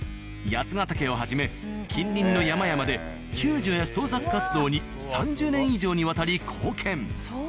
八ヶ岳をはじめ近隣の山々で救助や捜索活動に３０年以上にわたり貢献。